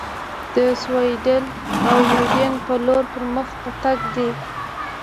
د سیوایډل او یوډین په لور پر مخ په تګ دي.